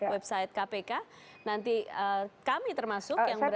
website kpk nanti kami termasuk yang berada